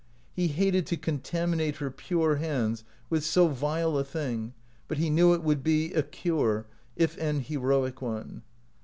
He hated to contaminate her pure hands with so vile a thing, but he knew it would be a cure — if an heroic one.